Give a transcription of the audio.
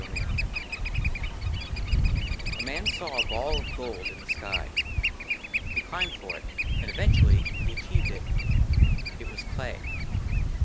35 XXXV A MAN SAW A BALL OF GOLD IN THE SKY ; HE CLIMBED FOR IT, AND EVENTUALLY HE ACHIEVED IT IT WAS CLAY.